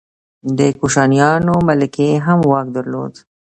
د کوشانیانو ملکې هم واک درلود